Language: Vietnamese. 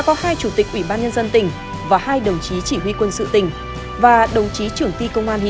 có hai chủ tịch ủy ban nhân dân tỉnh và hai đồng chí chỉ huy quân sự tỉnh và đồng chí trưởng ti công an huyện